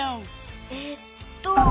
えっと。